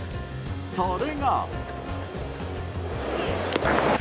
それが。